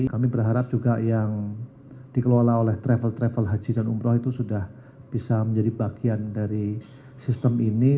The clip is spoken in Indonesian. kami berharap juga yang dikelola oleh travel travel haji dan umroh itu sudah bisa menjadi bagian dari sistem ini